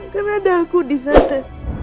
karena ada aku disana